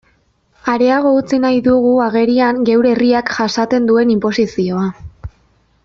Areago utzi nahi dugu agerian geure herriak jasaten duen inposizioa.